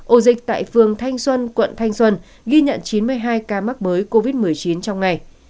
ổ dịch tại phường thanh xuân quận thanh xuân ghi nhận chín mươi hai ca mắc mới covid một mươi chín trong ngày